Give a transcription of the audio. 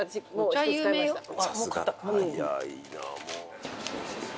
早いなもう。